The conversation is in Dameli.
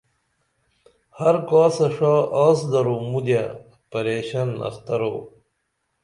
ہر کاسہ ݜا آس درو مودیہ پریشن اخترو